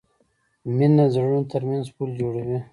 مینه د زړونو ترمنځ پُل جوړوي.